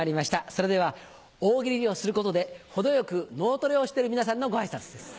それでは大喜利をすることで程よく脳トレをしてる皆さんのご挨拶です。